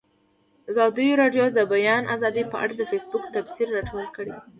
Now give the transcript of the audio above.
ازادي راډیو د د بیان آزادي په اړه د فیسبوک تبصرې راټولې کړي.